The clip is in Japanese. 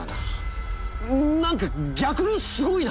何か逆にすごいな！